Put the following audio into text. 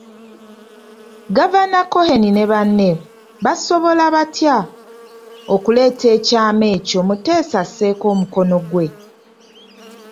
Gavana Cohen ne banne basobola batya okuleeta ekyama ekyo Muteesa asseeko omukono ggwe.